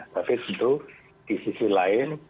tapi tentu di sisi lain